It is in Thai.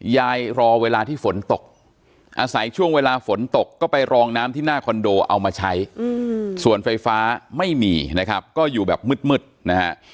รอเวลาที่ฝนตกอาศัยช่วงเวลาฝนตกก็ไปรองน้ำที่หน้าคอนโดเอามาใช้ส่วนไฟฟ้าไม่มีนะครับก็อยู่แบบมืดนะฮะ